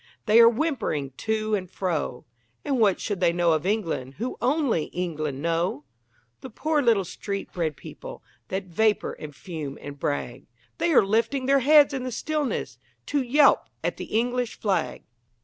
They are whimpering to and fro And what should they know of England who only England know? The poor little street bred people, that vapour, and fume, and brag, They are lifting their heads in the stillness, to yelp at the English flag!